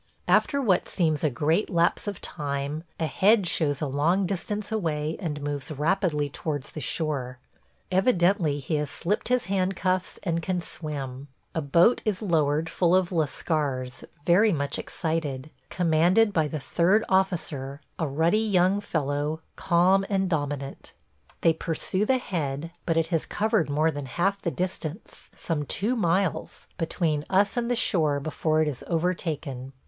After what seems a great lapse of time, a head shows a long distance away and moves rapidly towards the shore. Evidently he has slipped his handcuffs and can swim. A boat is lowered full of Lascars very much excited, commanded by the third officer, a ruddy young fellow – calm and dominant. They pursue the head, but it has covered more than half the distance, some two miles, between us and the shore before it is over taken.